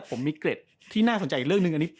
ผมมีเกล็ดที่น่าสนใจอีกเรื่องนึง